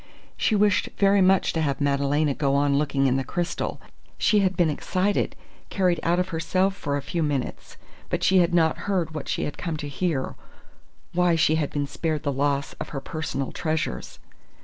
She wished very much to have Madalena go on looking in the crystal. She had been excited, carried out of herself for a few minutes, but she had not heard what she had come to hear why she had been spared the loss of her personal treasures.